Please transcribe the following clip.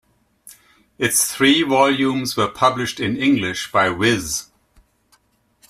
Its three volumes were published in English by Viz.